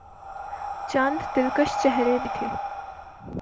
چند دلکش چہرے بھی تھے۔